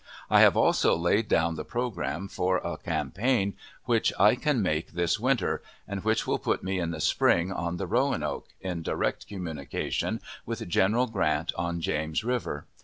I have also laid down the programme for a campaign which I can make this winter, and which will put me in the spring on the Roanoke, in direct communication with General Grant on James River.